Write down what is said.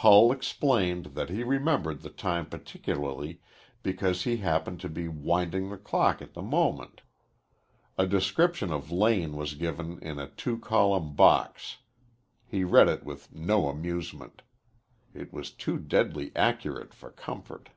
Hull explained that he remembered the time particularly because he happened to be winding the clock at the moment. A description of Lane was given in a two column "box." He read it with no amusement. It was too deadly accurate for comfort.